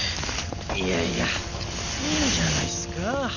いやいやいいんじゃないすか。